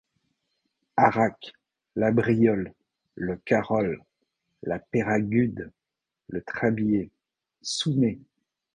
Arac, la Briole, le Carol, la Peyragude, le Trabieyt, Sounet...